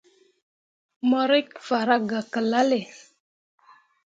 Mo rǝkki farah gah gelale.